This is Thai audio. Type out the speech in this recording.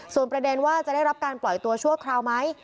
ส่วนประเด็นว่าจะได้รับการปล่อยตัวชั่วคราวไหม